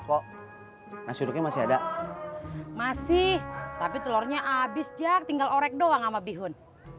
mas pur masih ada nasi duduknya masih ada masih tapi telurnya abis jak tinggal orek doang sama bihun